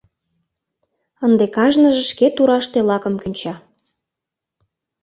Ынде кажныже шке тураште лакым кӱнча.